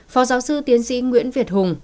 phó giáo sư tiến sĩ nguyễn việt hùng